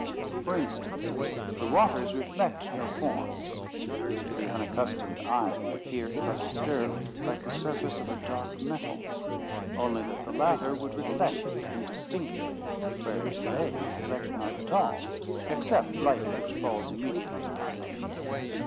For instance, the waters reflect no forms. To the unaccustomed eye they appear, if undisturbed, like the surface of a dark metal, only that the latter would reflect indistinctly, whereas they reflect not at all, except light which falls immediately upon them.